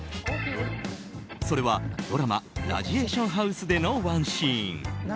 それはドラマ「ラジエーションハウス」でのワンシーン。